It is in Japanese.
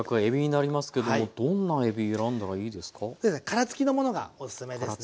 殻付きのものがおすすめですね。